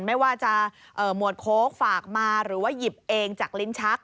ไม่ว่าจะหมวดโค้กฝากมาหรือว่าหยิบเองจากลิ้นชัก